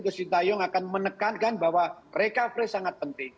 ke sintayong akan menekankan bahwa recovery sangat penting